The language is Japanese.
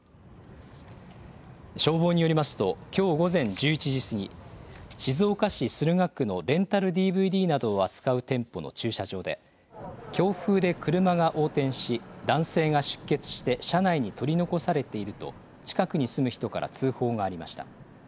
消防によりますと、きょう午前１１時過ぎ、静岡市駿河区のレンタルＤＶＤなどを扱う店舗の駐車場で、強風で車が横転し、男性が出血して車内に取り残されていると、近くに住む人から通報がありました。